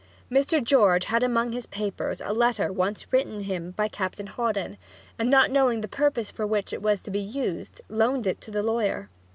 Mr. George had among his papers a letter once written him by Captain Hawdon, and not knowing the purpose for which it was to be used, loaned it to the lawyer.